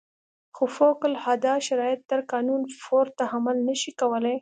خو فوق العاده شرایط تر قانون پورته عمل نه شي کولای.